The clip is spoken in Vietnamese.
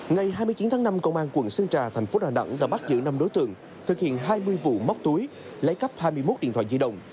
ngày hai mươi chín tháng năm công an quận sơn trà thành phố đà nẵng đã bắt giữ năm đối tượng thực hiện hai mươi vụ móc túi lấy cắp hai mươi một điện thoại di động